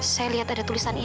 saya lihat ada tulisan ini